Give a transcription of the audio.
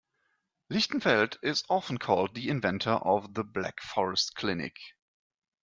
Lichtenfeld is often called the inventor of "The Black Forest Clinic".